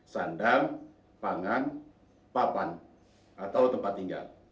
sandal pangan papan atau tempat tinggal